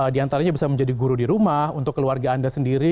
di antaranya bisa menjadi guru di rumah untuk keluarga anda sendiri